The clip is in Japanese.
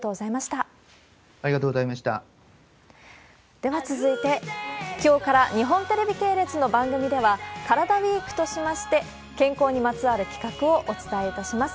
では続いて、きょうから日本テレビ系列の番組では、カラダＷＥＥＫとしまして、健康にまつわる企画をお伝えいたします。